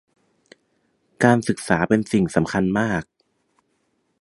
การศึกษาเป็นสิ่งสำคัญมาก